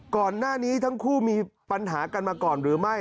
ก่อนหน้านี้ทั้งคู่มีปัญหากันมาก่อนหรือไม่